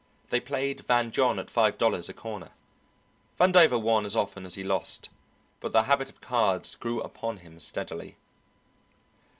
They played Van John at five dollars a corner. Vandover won as often as he lost, but the habit of cards grew upon him steadily.